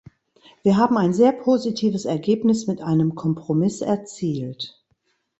Wir haben ein sehr positives Ergebnis mit einem Kompromiss erzielt.